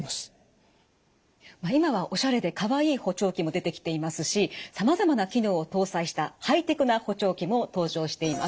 今はオシャレでかわいい補聴器も出てきていますしさまざまな機能を搭載したハイテクな補聴器も登場しています。